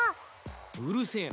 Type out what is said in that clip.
うるせえな。